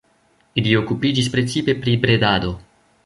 Ili okupiĝis precipe pri bredado.